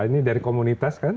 ini dari komunitas kan